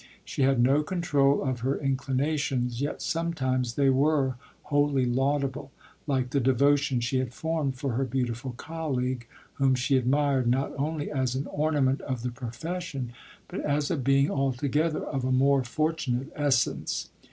She had no control of her inclinations, yet sometimes they were wholly laudable, like the devotion she had formed for her beautiful colleague, whom she admired not only as an ornament of the profession but as a being altogether of a more fortunate essence.